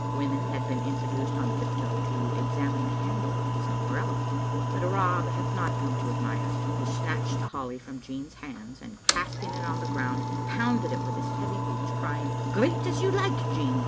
Women had been introduced on tiptoe to examine the handle of his umbrella. But Rob had not come to admire. He snatched the holly from Jean's hands, and casting it on the ground pounded it with his heavy boots, crying, " Greet as you like, Jean.